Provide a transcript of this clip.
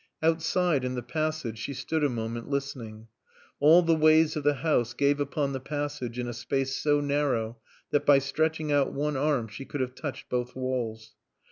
Outside in the passage she stood a moment, listening. All the ways of the house gave upon the passage in a space so narrow that by stretching out one arm she could have touched both walls.